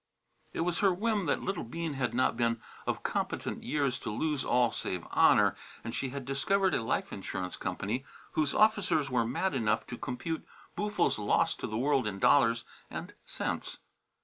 It was her whim that little Bean had not been of competent years to lose all save honour, and she had discovered a life insurance company whose officers were mad enough to compute Boo'ful's loss to the world in dollars and cents.